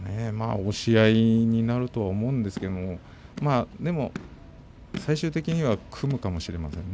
押し合いになるとは思うんですけどでも最終的には組むかもしれま